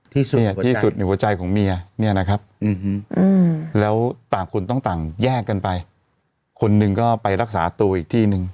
ที่สุดเนี่ยที่สุดในหัวใจของเมียเนี่ยนะครับแล้วต่างคนต้องต่างแยกกันไปคนหนึ่งก็ไปรักษาตัวอีกที่หนึ่ง